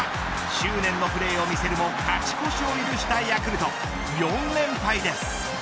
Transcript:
執念のプレーを見せるも勝ち越しを許したヤクルト４連敗です。